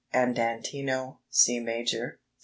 Andantino, C major, 3 2.